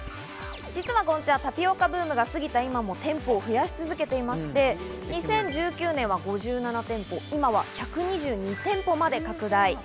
実はゴンチャ、タピオカブームがすぎた今も店舗を増やし続けていまして、２０１９年は５７店舗、今は１２２店舗まで拡大。